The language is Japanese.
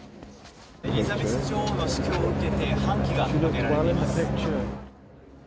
エリザベス女王の死去を受けて、半旗が掲げられています。